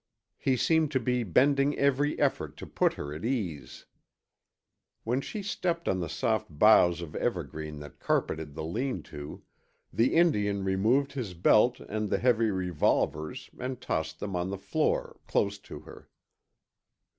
He seemed to be bending every effort to put her at ease. When she stepped on the soft boughs of evergreen that carpeted the lean to, the Indian removed his belt and the heavy revolvers and tossed them on the floor close to her.